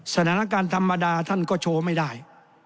สถานการณ์ธรรมดาท่านก็โชว์ไม่ได้